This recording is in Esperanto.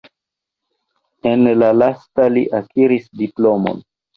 En la lasta li akiris diplomon.